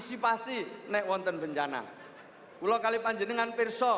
saya ingin mengucapkan kepada ulu mulya agen